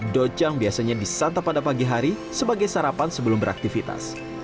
dojang biasanya disantap pada pagi hari sebagai sarapan sebelum beraktivitas